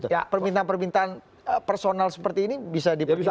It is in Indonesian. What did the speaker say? ya permintaan permintaan personal seperti ini bisa dipercaya